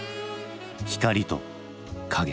光と影。